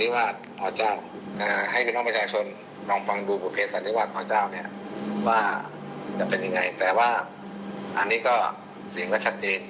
ว่าจะเป็นอย่างไรแต่ว่าอันนี้ก็เสียงก็ชัดเดช